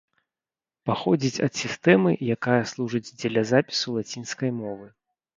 Паходзіць ад сістэмы, якая служыць дзеля запісу лацінскай мовы.